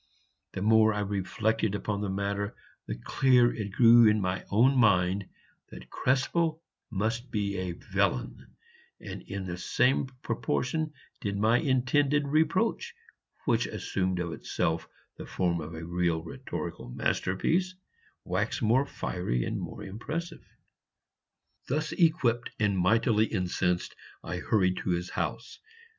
The more I reflected upon the matter, the clearer it grew in my own mind that Krespel must be a villain, and in the same proportion did my intended reproach, which assumed of itself the form of a real rhetorical masterpiece, wax more fiery and more impressive. Thus equipped and mightily incensed, I hurried to his house.